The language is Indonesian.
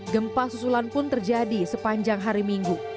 gempa susulan pun terjadi sepanjang hari minggu